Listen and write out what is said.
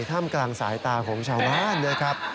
ถ้ำกลางสายตาของชาวบ้านนะครับ